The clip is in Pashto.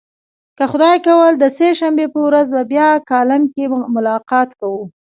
که خدای کول د سه شنبې په ورځ به بیا کالم کې ملاقات کوو.